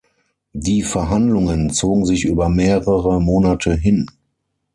Die Verhandlungen zogen sich über mehrere Monate hin.